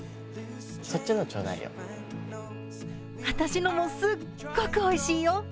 私のも、すっごくおいしいよ。